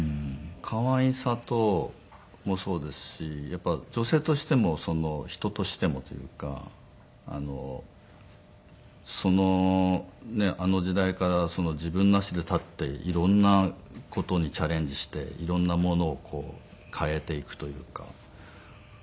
可愛さもそうですしやっぱり女性としても人としてもというかあの時代から自分の足で立って色んな事にチャレンジして色んなものを変えていくというか。